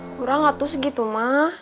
kurang atuh segitu mah